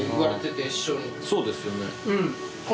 そうですよね。